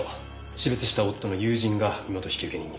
死別した夫の友人が身元引受人に。